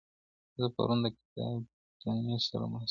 زه پرون د کتابتوننۍ سره مرسته وکړه!.